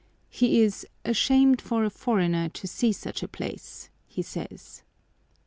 He is "ashamed for a foreigner to see such a place," he says.